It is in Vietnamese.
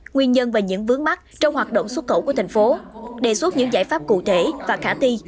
nguyên nhân và những vướng mắt trong hoạt động xuất khẩu của thành phố đề xuất những giải pháp cụ thể và khả thi